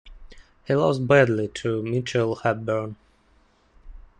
He lost badly to Mitchell Hepburn.